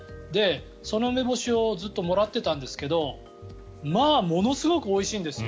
その梅干しをずっともらっていたんですけどものすごくおいしいんですよ。